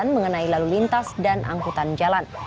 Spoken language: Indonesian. mengenai lalu lintas dan angkutan jalan